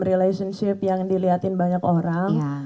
relationship yang dilihatin banyak orang